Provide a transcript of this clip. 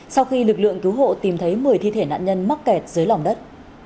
sau khi lực lượng cứu hộ tìm thấy một mươi thi thể nạn nhân mắc kẹt dưới lòng đất